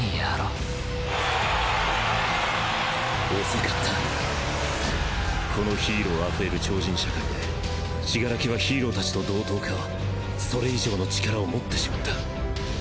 遅かったこのヒーロー溢れる超人社会で死柄木はヒーロー達と同等かそれ以上の力を持ってしまった。